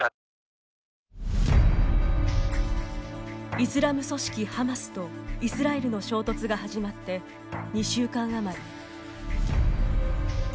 イスラム組織ハマスとイスラエルの衝突が始まって２週間余り。